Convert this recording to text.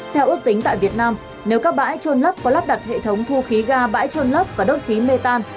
theo ước tính tại việt nam nếu các bãi trôn lấp có lắp đặt hệ thống thu khí ga bãi trôn lấp và đốt khí mê tan